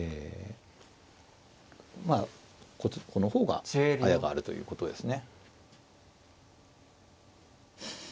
まあこの方があやがあるということですね。